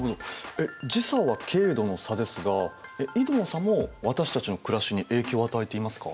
えっ時差は経度の差ですが緯度の差も私たちの暮らしに影響を与えていますか？